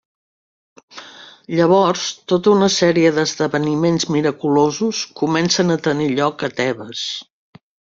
Llavors, tota una sèrie d'esdeveniments miraculosos comencen a tenir lloc a Tebes.